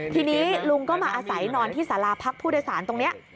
ทีนี้ลุงก็มาอาศัยนอนที่สาราพพุทธศาลตรงนี้